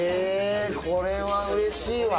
これはうれしいわ。